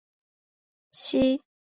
期间向许多宗教学者请教。